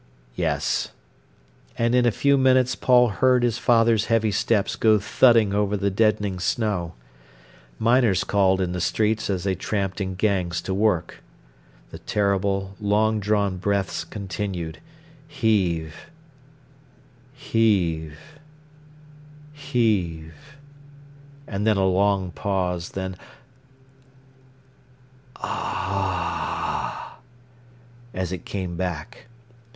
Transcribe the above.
"Yes." And in a few minutes Paul heard his father's heavy steps go thudding over the deadening snow. Miners called in the streets as they tramped in gangs to work. The terrible, long drawn breaths continued—heave—heave—heave; then a long pause—then—ah h h h h! as it came back.